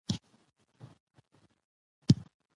د ماشوم پاملرنه د ټولنې راتلونکی خوندي کوي او ستونزې کموي.